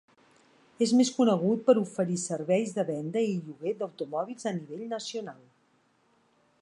És més conegut per oferir serveis de venda i lloguer d'automòbils a nivell nacional.